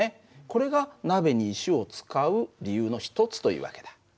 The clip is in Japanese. これが鍋に石を使う理由の一つという訳だ。